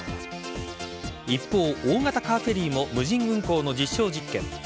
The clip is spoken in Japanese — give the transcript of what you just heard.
一方、大型カーフェリーも無人運航の実証実験。